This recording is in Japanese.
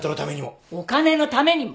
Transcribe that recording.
お金のためにも。